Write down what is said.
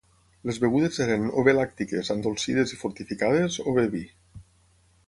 Les begudes eren o bé làctiques, endolcides i fortificades, o bé vi.